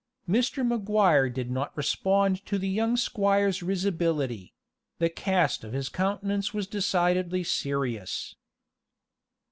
Mr. Maguire did not respond to the young squire's risibility; the cast of his countenance was decidedly serious.